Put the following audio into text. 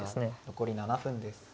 残り７分です。